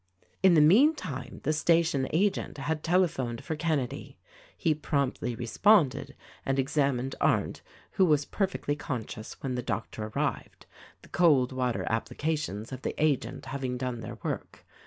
In the meantime the station agent had telephoned for Kenedy. He promptly responded and examined Arndt, who was perfectly conscious when the doctor arrived, — the cold water applications of the agent having done their work.